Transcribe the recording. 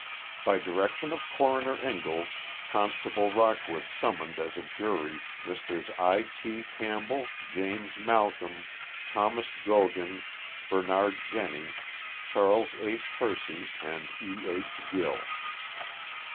By direction of Coroner Ingalls, Constable Lockwood sum moned as a jury Messrs. I. T. Campbell, Janies Malcom, Thomas Gogin, Bernard Jenney, Charles H. Ilersey and E. II. Gill.